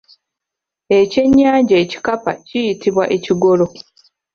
Ekyennyanja ekikapa kiyitibwa Ekigolo.